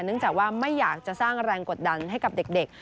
เนื่องจากว่าไม่อยากจะสร้างแรงกดดันให้กับเด็ก